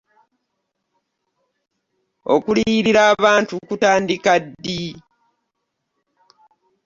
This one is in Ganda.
Okuliyirira abantu kutandika ddi?